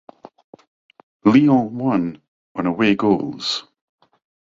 Lyon won on away goals.